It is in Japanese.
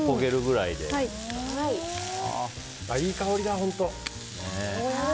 いい香りだ、本当。